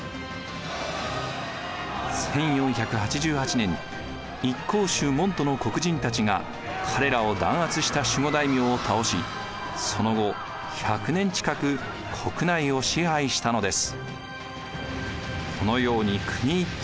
１４８８年一向宗門徒の国人たちが彼らを弾圧した守護大名を倒しその後１００年近く国内を支配したのです。